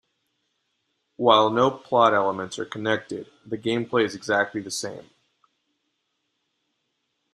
While no plot-elements are connected, the gameplay is exactly the same.